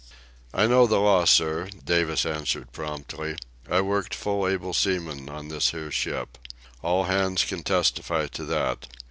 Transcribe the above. "I know the law, sir," Davis answered promptly. "I worked full able seaman on this here ship. All hands can testify to that.